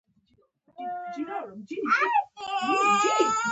ما د کور له لویې کړکۍ د باندې وکتل.